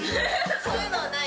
そういうのはないんで。